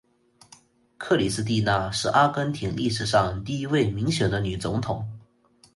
克里斯蒂娜是阿根廷历史上第一位民选的女总统。